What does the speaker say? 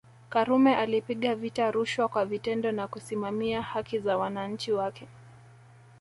Karume alipiga vita rushwa kwa vitendo na kusimamia haki za wananchi wake